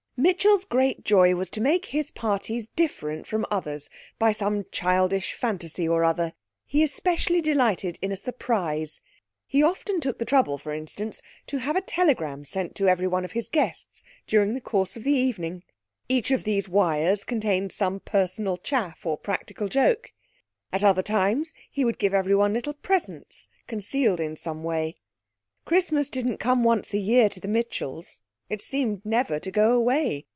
Mitchell's great joy was to make his parties different from others by some childish fantasy or other. He especially delighted in a surprise. He often took the trouble (for instance) to have a telegram sent to every one of his guests during the course of the evening. Each of these wires contained some personal chaff or practical joke. At other times he would give everyone little presents, concealed in some way. Christmas didn't come once a year to the Mitchells; it seemed never to go away.